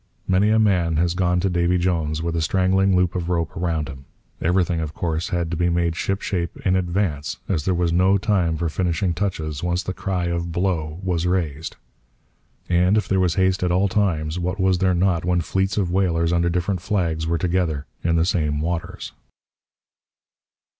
Many a man has gone to Davy Jones with a strangling loop of rope around him. Everything, of course, had to be made shipshape in advance, as there was no time for finishing touches once the cry of B l o w! was raised. And if there was haste at all times, what was there not when fleets of whalers under different flags were together in the same waters?